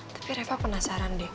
tapi reva penasaran deh